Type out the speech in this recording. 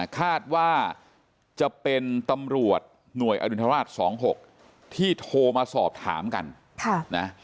คาดว่าจะเป็นตำรวจหน่วยอดุณฑราช๒๖ที่โทรมาสอบถามกัน